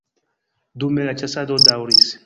Dume la ĉasado daŭris.